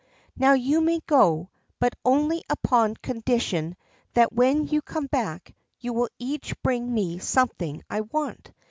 Now you may go, but only upon condition that when you come back you will each bring me something I want.